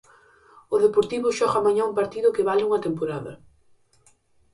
O Deportivo xoga mañá un partido que vale unha temporada.